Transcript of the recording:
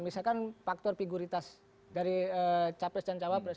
misalkan faktor figuritas dari capres dan jawa barat